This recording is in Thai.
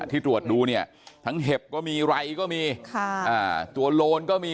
ที่ตรวจดูเนี่ยทั้งเห็บก็มีไรก็มีค่ะอ่าตัวโลนก็มี